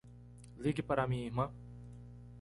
Ligue para a minha irmã.